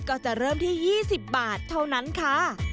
ก็จะเริ่มที่๒๐บาทเท่านั้นค่ะ